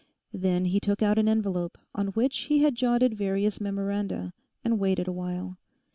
Then he took out an envelope, on which he had jotted various memoranda, and waited awhile.